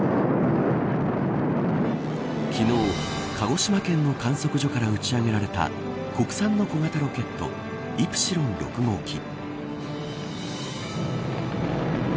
昨日、鹿児島県の観測所から打ち上げられた国産の小型ロケットイプシロン６号機。